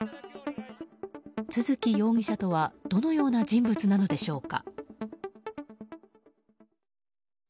都築容疑者とはどのような人物なのでしょうか。